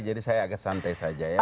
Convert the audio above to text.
jadi saya agak santai saja ya